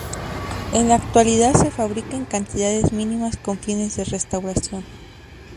En la actualidad se fabrica en cantidades mínimas con fines de restauración.